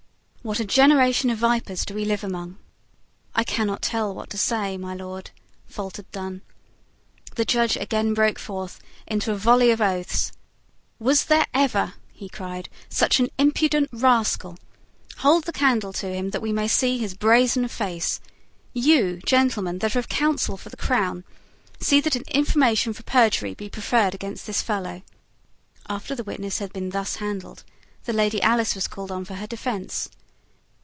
What a generation of vipers do we live among!" "I cannot tell what to say, my Lord," faltered Dunne. The judge again broke forth into a volley of oaths. "Was there ever," he cried, "such an impudent rascal? Hold the candle to him that we may see his brazen face. You, gentlemen, that are of counsel for the crown, see that an information for perjury be preferred against this fellow." After the witnesses had been thus handled, the Lady Alice was called on for her defence.